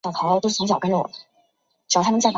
弄错蛮多东西的